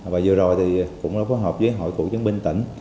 và vừa rồi cũng đã phối hợp với hội cụ chứng binh tỉnh